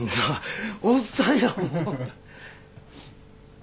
おっさんやもん。